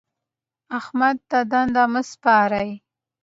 احمد ته دنده مه سپارئ.